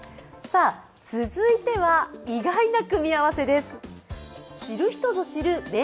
続いては、意外な組み合わせです